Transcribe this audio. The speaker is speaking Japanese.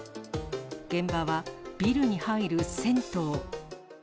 現場はビルに入る銭湯。